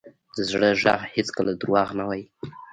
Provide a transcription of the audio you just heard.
د زړه ږغ هېڅکله دروغ نه وایي.